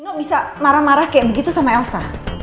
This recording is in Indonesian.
no bisa marah marah kayak begitu sama elsa